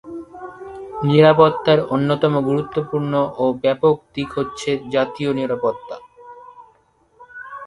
নিরাপত্তার অন্যতম গুরুত্বপূর্ণ ও ব্যাপক দিক হচ্ছে জাতীয় নিরাপত্তা।